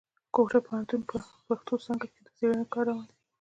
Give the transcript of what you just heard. کوټه پوهنتون پښتو څانګه کښي د څېړني کار روان دی.